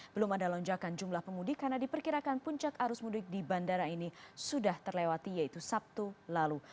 belum ada lonjakan jumlah pemudik karena diperkirakan puncak arus mudik di bandara ini sudah terlewati yaitu sabtu lalu